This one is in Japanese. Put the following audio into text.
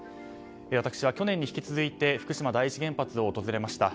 私は去年に引き続いて福島第一原発を訪れました。